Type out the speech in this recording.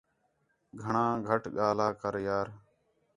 گھݨاں گھ ڳاہلا کر یار